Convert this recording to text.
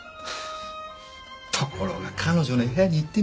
ところが彼女の部屋に行ってみると。